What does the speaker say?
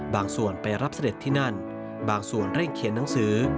ส่วนไปรับเสด็จที่นั่นบางส่วนเร่งเขียนหนังสือ